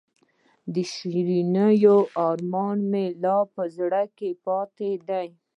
د شیرینو ارمان مې لا په زړه کې پاتې دی.